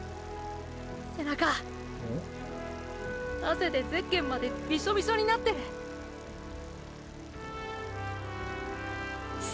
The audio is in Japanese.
汗でゼッケンまでビショビショになってる。